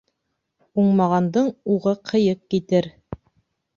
Уңмағандың уғы ҡыйыҡ китер.